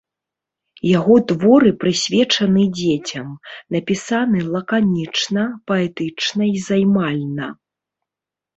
Яго творы прысвечаны дзецям, напісаны лаканічна, паэтычна і займальна.